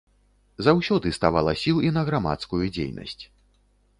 Заўсёды ставала сіл і на грамадскую дзейнасць.